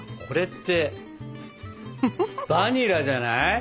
これってバニラじゃない？